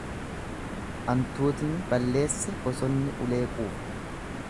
Antuutni balleesse bosonni ulee quufa.